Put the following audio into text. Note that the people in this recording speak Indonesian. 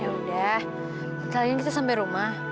yaudah minta liat kita sampai rumah